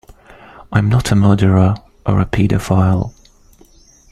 I'm not a murderer or a paedophile.